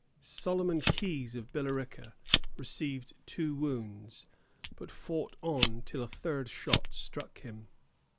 Solomon Keyes, of Billerica, received two wounds, but fought on till a third shot struck him.